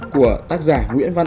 của tác giả nguyễn văn anh